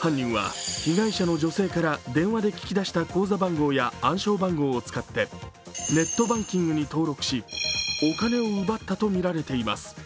犯人は、被害者の女性から電話で聞き出した口座番号や暗証番号を使って、ネットバンキングに登録しお金を奪ったとみられています。